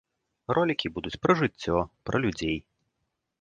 Ролікі будуць пра жыццё, пра людзей.